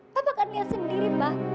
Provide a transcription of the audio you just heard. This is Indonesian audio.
papa kan lihat sendiri ma